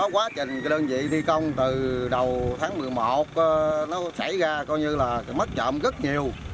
quá trình đơn vị thi công từ đầu tháng một mươi một nó xảy ra coi như là mất trộm rất nhiều